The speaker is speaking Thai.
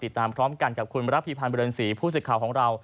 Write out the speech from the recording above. ติดตามพร้อมกันกับคุณระพีพันธ์บริเวณศรีผู้สิทธิ์ข่าวของเรา